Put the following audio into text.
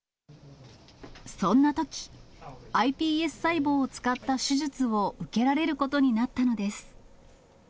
そんなとき、ｉＰＳ細胞を使った手術を受けられることになったのです。